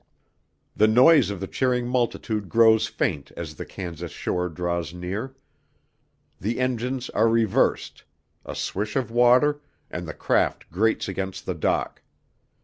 The noise of the cheering multitude grows faint as the Kansas shore draws near. The engines are reversed; a swish of water, and the craft grates against the dock.